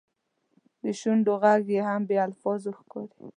د شونډو ږغ هم بې الفاظو ښکاري.